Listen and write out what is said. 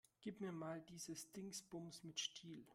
Gib mir mal dieses Dingsbums mit Stiel.